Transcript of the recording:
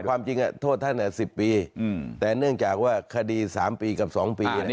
ความจริงโทษท่าน๑๐ปีแต่เนื่องจากว่าคดี๓ปีกับ๒ปี